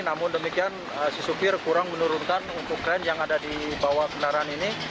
namun demikian si supir kurang menurunkan untuk kren yang ada di bawah kendaraan ini